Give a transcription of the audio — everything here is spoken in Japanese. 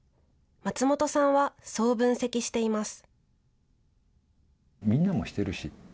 松本さんはそう分析しています。